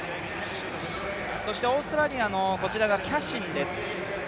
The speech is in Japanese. オーストラリアのキャシンです。